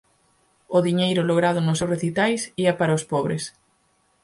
O diñeiro logrado nos seus recitais ía para os pobres.